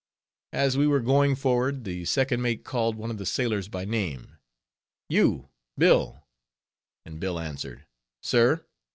As we were going forward, the second mate called one of the sailors by name: "You, Bill?" and Bill answered, "Sir?"